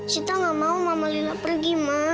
sita gak mau mama lila pergi ma